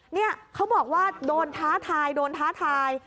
เนี่ยเขาบอกว่าโดนท้าทายโดนท้าทาย